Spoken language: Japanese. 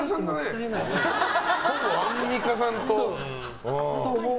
ほぼアンミカさんだね。